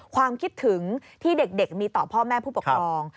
ความคิดถึงที่เด็กมีต่อพ่อแม่ผู้ปกครอง